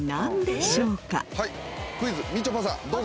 はいクイズみちょぱさんどうぞ。